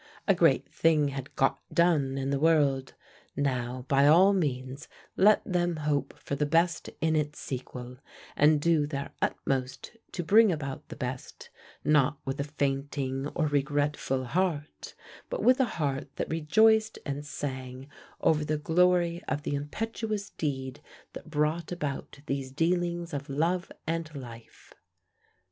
A great thing had 'got done' in the world: now by all means let them hope for the best in its sequel, and do their utmost to bring about the best, not with a fainting or regretful heart, but with a heart that rejoiced and sang over the glory of the impetuous deed that brought about these dealings of love and life.